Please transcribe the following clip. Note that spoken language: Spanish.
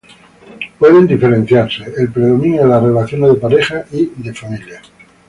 Pueden diferenciarse: El predominio de las relaciones de pareja y de familia.